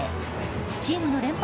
チームの連敗